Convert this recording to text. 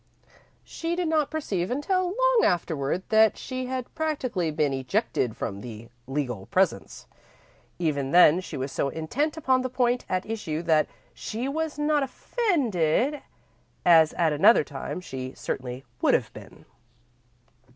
She did not perceive until long afterward that she had practically been ejected from the legal presence. Even then, she was so intent upon the point at issue that she was not offended, as at another time she certainly would have been.